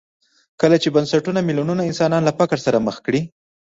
کله چې بنسټونه میلیونونه انسانان له فقر سره مخ کړي.